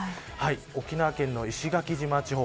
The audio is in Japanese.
沖縄県の石垣島地方